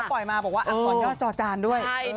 แล้วปล่อยมาพิชาภาพบอกว่าธรรมษยาจรจาญด้วย